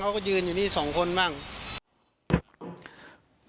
เขาก็ยืนอยู่นี่สองคนบ้าง